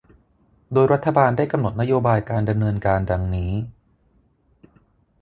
โดยรัฐบาลได้กำหนดนโยบายการดำเนินการดังนี้